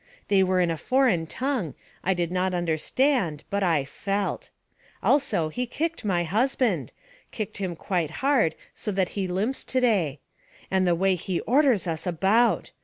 They were in a foreign tongue; I did not understand, but I felt. Also he kicked my husband kicked him quite hard so that he limps to day. And the way he orders us about!